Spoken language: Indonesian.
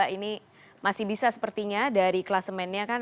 ini masih bisa sepertinya dari kelasemennya kan